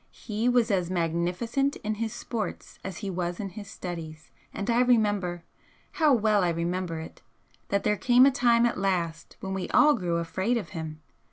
He was as magnificent in his sports as he was in his studies, and I remember how well I remember it! that there came a time at last when we all grew afraid of him.